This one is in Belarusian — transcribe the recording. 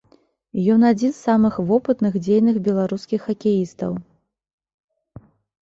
Ён адзін з самых вопытных дзейных беларускіх хакеістаў.